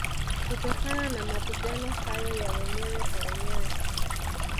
Kutokana na Mapigano hayo ya wenyewe kwa wenyewe